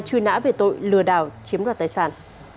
truy nã về tội lừa đảo chiếm đoạt tài sản